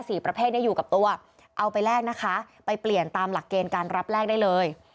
ประเภทนี้อยู่กับตัวเอาไปแลกนะคะไปเปลี่ยนตามหลักเกณฑ์การรับแลกได้เลย